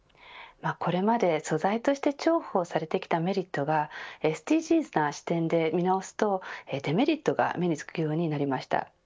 これまで素材として重宝されてきたメリットがＳＤＧｓな視点で見直すとデメリットが目につくようになりました。